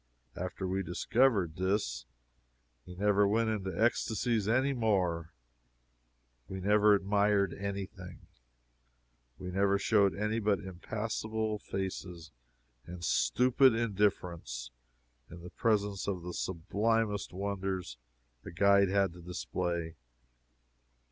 After we discovered this, we never went into ecstasies any more we never admired any thing we never showed any but impassible faces and stupid indifference in the presence of the sublimest wonders a guide had to display.